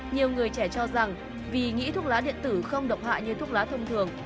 nhiều người trẻ cho rằng vì nghĩ thuốc lá điện tử không độc hại như thuốc lá thông thường